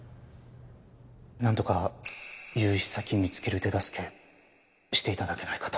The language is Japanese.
何とか融資先見つける手助けしていただけないかと。